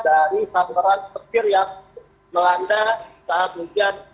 dari sabaran petir yang melanda saat hujan